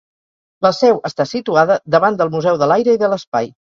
La seu està situada davant del Museu de l'Aire i de l'Espai.